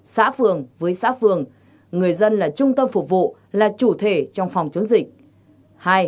xã phường với xã phường người dân là trung tâm phục vụ là chủ thể trong phòng chống dịch